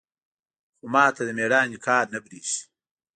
خو ما ته د ميړانې کار نه بريښي.